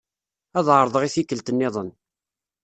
Ad ɛeṛḍeɣ i tikkelt nniḍen.